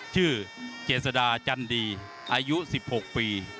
ชื่อเจศดาจันดีอายุ๑๖ปี